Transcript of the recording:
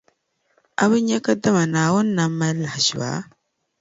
A bi nya kadama Naawuni nam mali lahaʒiba?